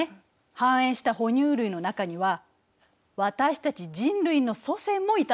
繁栄した哺乳類の中には私たち人類の祖先もいたのよ。